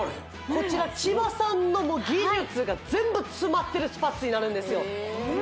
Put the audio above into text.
こちら千葉さんの技術が全部詰まってるスパッツになるんですよ